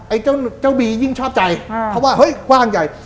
ไอ้เจ้าบียิ่งชอบใจเพราะว่าเฮ้ยกว้างใหญ่